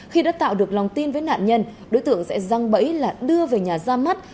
khi đã tạo được lòng tin với nạn nhân đối tượng sẽ răng bẫy là đưa về nhà ra mắt